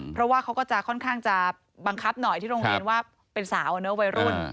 เพราะว่าเขาก็จะค่อนข้างจะบังคับหน่อยที่โรงเรียนว่าเป็นสาวเนอะวัยรุ่น